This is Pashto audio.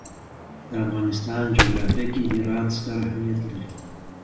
د افغانستان جغرافیه کې هرات ستر اهمیت لري.